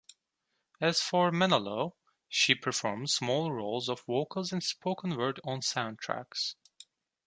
As for Menelaus, she performed small roles of vocals and spoken-word on soundtracks.